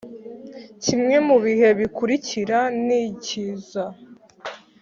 kimwe mu bihe bikurikira nikiza